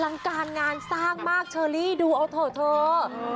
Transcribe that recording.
ลังการงานสร้างมากเชอรี่ดูเอาเถอะเธอ